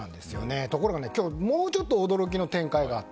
ところが今日、もうちょっと驚きの展開があった。